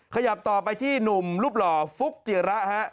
ขยับต่อไปที่หนุ่มรูปหล่อฟุ๊กจิระฮะ